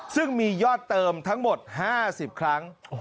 ซึ่งมียอดเติมทั้งหมด๕๐ครั้ง